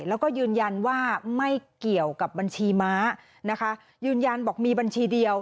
แล้วก็ยืนยันว่าไม่เกี่ยวกับบัญชีม้านะคะยืนยันบอกมีบัญชีเดียว